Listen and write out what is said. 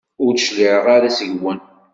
Ur d-cliɛeɣ ara seg-wen.